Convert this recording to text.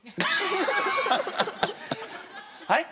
はい！？